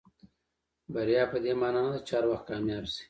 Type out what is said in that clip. بریا پدې معنا نه ده چې هر وخت کامیاب شئ.